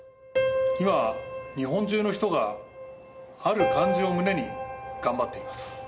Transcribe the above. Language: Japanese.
今日本中の人がある漢字を胸に頑張っています。